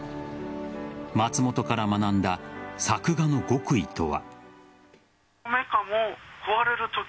松本から学んだ作画の極意とは。